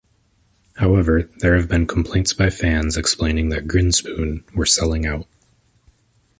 However, there have been complaints by fans explaining that Grinspoon were "selling out".